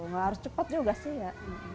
nggak harus cepat juga sih ya